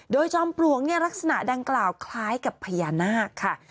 โดยจอมปลวกลักษณะดังกล่าวคล้ายกับพญานาคค่ะ